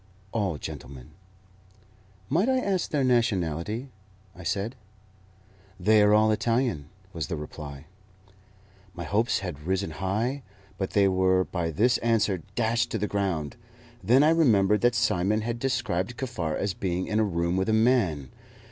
"All gentlemen." "Might I ask their nationality?" I said. "They are all Italian," was the reply. My hopes had risen high, but they were by this answer dashed to the ground. Then I remembered that Simon had described Kaffar as being in a room with a man.